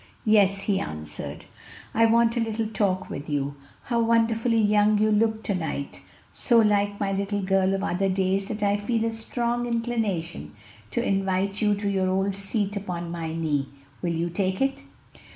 "Yes," he answered; "I want a little talk with you. How wonderfully young you look to night! so like my little girl of other days that I feel a strong inclination to invite you to your old seat upon my knee. Will you take it?"